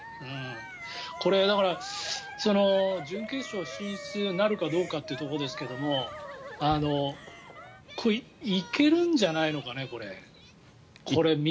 これ、準決勝進出なるかどうかというところですが行けるんじゃないのかね、これ。